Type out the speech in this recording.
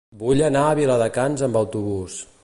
Vull anar a Viladecans amb autobús.